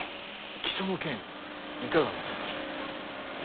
木曽の件いかがなさいましょう。